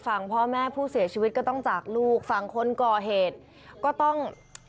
ฝั่งพ่อแม่ผู้เสียชีวิตก็ต้องจากลูกของตัวเองจากเมียของตัวเองไปอีก